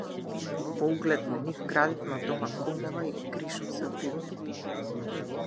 По углед на нив крадевме од дома комова и кришум се опивавме.